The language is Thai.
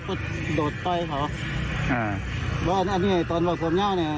อืม